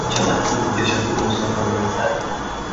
چقدر طول می کشد به اوساکا برسد؟